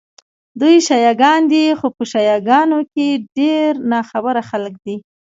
دوی شیعه ګان دي، خو په شیعه ګانو کې ډېر ناخبره خلک دي.